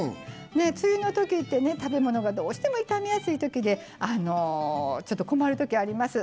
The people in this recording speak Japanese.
梅雨のときって食べ物がどうしても傷みやすいときでちょっと困るときあります。